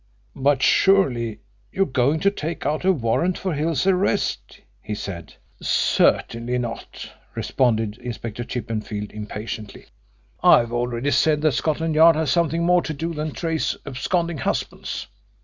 "But surely you're going to take out a warrant for Hill's arrest?" he said. "Certainly not," responded Inspector Chippenfield impatiently. "I've already said that Scotland Yard has something more to do than trace absconding husbands.